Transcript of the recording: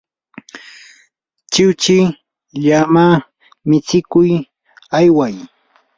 chiwchi llama mitsikuq ayway.